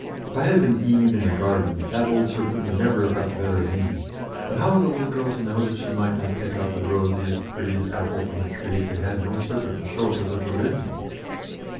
If I had been Eve in the garden, that old serpent would never have got the better of me; but how was a little girl to know that she might not pick out the rosiest, prettiest apple from a tree that had no serpent to show it was a forbidden one?